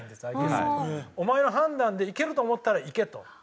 お前の判断でいけると思ったらいけと。